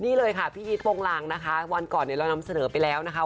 นี่เลยค่ะพี่อีทวงลางนะคะวันก่อนเนี่ยเรานำเสนอไปแล้วนะคะ